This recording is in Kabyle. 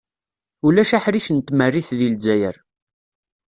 Ulac aḥric n tmerrit deg Lezzayer.